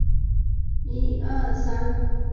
取得领导地位